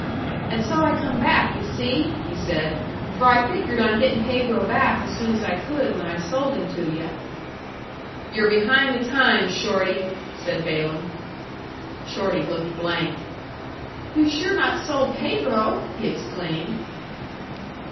"And so I come back, yu' see," he said. "For I figured on getting Pedro back as soon as I could when I sold him to yu'." "You're behind the times, Shorty," said Balaam. Shorty looked blank. "You've sure not sold Pedro?" he exclaimed.